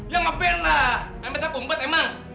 ya nge ban lah emang tak umpet emang